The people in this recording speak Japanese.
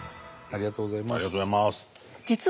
ありがとうございます。